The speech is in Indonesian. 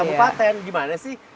atau kabupaten gimana sih